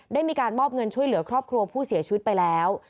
ได้มีการมอบเงินช่วยเหลือครอบครัวผู้เสียชีวิตไปแล้ว